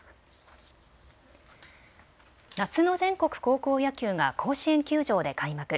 夏の全国高校野球が甲子園球場で開幕。